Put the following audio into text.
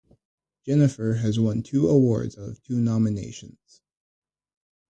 Jennifer has won two awards out of two nominations.